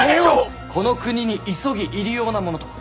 この国に急ぎ入り用なものとは。